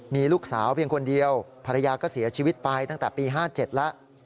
มีลูกสาวเพียงคนเดียวภรรยาก็เสียชีวิตไปตั้งแต่ปี๕๗แล้ว